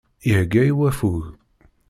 Ihegga i waffug.